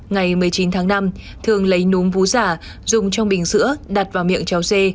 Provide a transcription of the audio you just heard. ngày một mươi chín tháng năm thương lấy núm vú giả dùng trong bình sữa đặt vào miệng cháu c